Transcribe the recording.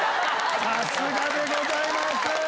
さすがでございます！